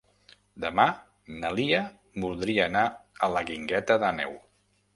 Demà na Lia voldria anar a la Guingueta d'Àneu.